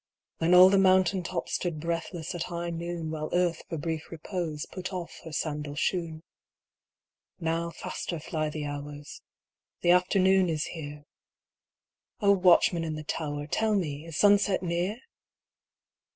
Then all the mountain tops Stood breathless at high noon. While earth for brief repose Put off her sandal shoon. Now faster fly the hours — The afternoon is here ; O watchman in the tower, Tell me, is sunset near